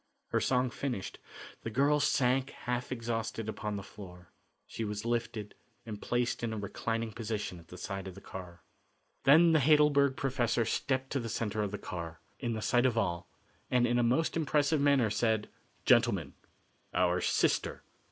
Her song finished, the girl sank half exhausted upon the floor. She was lifted and placed in a reclining position at the side of the car. Then the Heidelberg professor stepped to the centre of the car, in the sight of all, and in a most impressive manner said: "Gentlemen, our sister."